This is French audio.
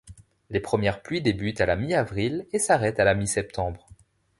Les premières pluies débutent à la mi avril et s'arrêtent à la mi septembre.